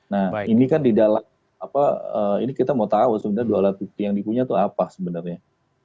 nah ini kan di dalam apa ini kita mau tahu sebenarnya dua alat bukti yang dipunya itu apa sebenarnya